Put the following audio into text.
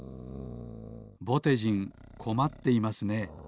ぼてじんこまっていますね。